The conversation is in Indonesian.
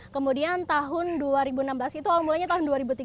kemudian tahun dua ribu enam belas itu awal mulanya tahun dua ribu tiga belas